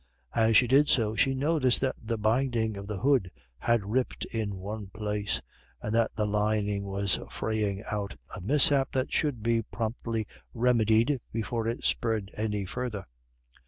As she did so she noticed that the binding of the hood had ripped in one place, and that the lining was fraying out, a mishap which should be promptly remedied before it spread any further.